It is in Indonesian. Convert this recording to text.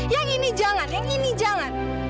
yang ini jangan yang ini jangan